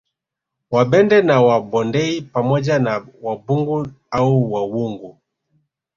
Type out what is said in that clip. Wabende na Wabondei pamoja na Wabungu au Wawungu